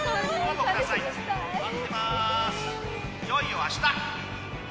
いよいよ明日！